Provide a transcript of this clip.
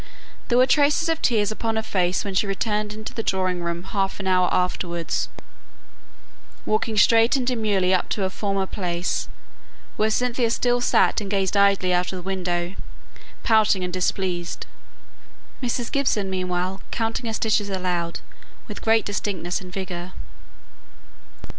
There were traces of tears upon her face when she returned into the drawing room half an hour afterwards, walking straight and demurely up to her former place, where Cynthia still sate and gazed idly out of the window, pouting and displeased; Mrs. Gibson, meanwhile, counting her stitches aloud with great distinctness and vigour.